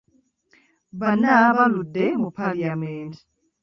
Bnna abaludde mu Paalamenti.